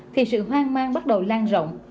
thì sự hoang mang bắt đầu lan rộng